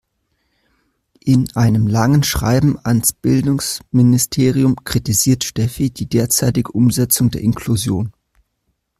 In einem langen Schreiben ans Bildungsministerium kritisiert Steffi die derzeitige Umsetzung der Inklusion.